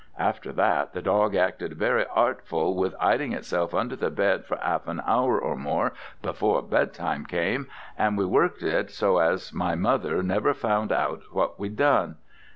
After that the dog acted very artful with 'iding itself under the bed for half an hour or more before bed time came, and we worked it so as my mother never found out what we'd done."